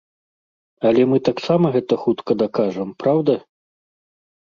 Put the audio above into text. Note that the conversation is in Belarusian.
Але мы таксама гэта хутка дакажам, праўда?